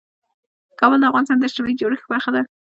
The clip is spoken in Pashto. کابل د افغانستان د اجتماعي جوړښت برخه ده.